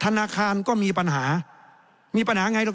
แสดงว่าความทุกข์มันไม่ได้ทุกข์เฉพาะชาวบ้านด้วยนะ